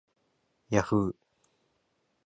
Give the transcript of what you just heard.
yahhoo